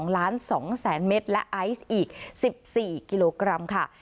๒ล้าน๒แสนเมตรและไอซ์อีก๑๔กิโลกรัมค่ะ